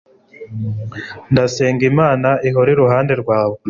ndasenga, imana ihore iruhande rwawe